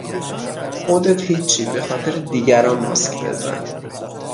خودت هیچی بخاطر دیگران ماسک بزن